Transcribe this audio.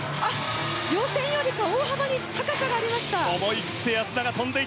予選より大幅に高さがありました。